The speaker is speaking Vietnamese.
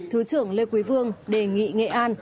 thứ trưởng lê quý vương đề nghị nghệ an